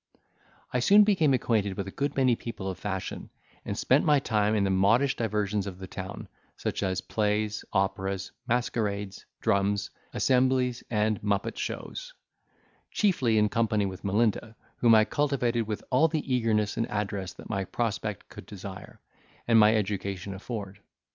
I soon became acquainted with a good many people of fashion, and spent my time in the modish diversions of the town, such as plays, operas, masquerades, drums, assemblies, and muppet shows; chiefly in company with Melinda, whom I cultivated with all the eagerness and address that my prospect could inspire, and my education afford.